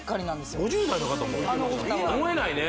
５０代の方も思えないね